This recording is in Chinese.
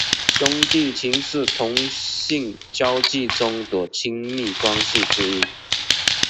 兄弟情是同性交际中的亲密关系之一。